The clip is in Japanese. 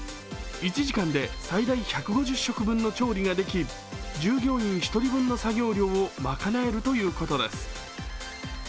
１時間で最大１５０食分の調理ができ従業員１人分の作業量をまかなえるということです。